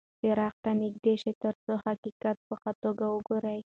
څراغ ته نږدې شه ترڅو حقیقت په ښه توګه وګورې.